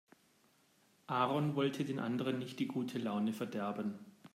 Aaron wollte den anderen nicht die gute Laune verderben.